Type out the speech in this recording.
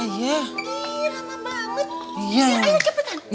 gini ramah banget